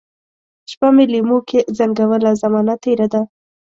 شپه مي لېموکې زنګوله ، زمانه تیره ده